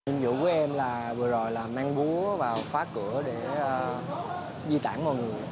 nhiệm vụ của em vừa rồi là mang búa vào phá cửa để di tản mọi người